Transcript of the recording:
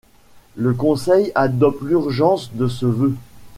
Le Conseil adopte l'urgence de ce vœu.